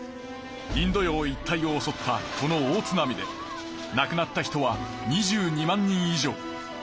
インド洋一帯をおそったこの大津波でなくなった人は２２万人以上。